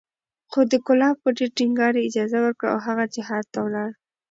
خو د کلاب په ډېر ټينګار یې اجازه ورکړه او هغه جهاد ته ولاړ